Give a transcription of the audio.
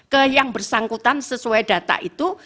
ke yang bersangkutan sesuai data itu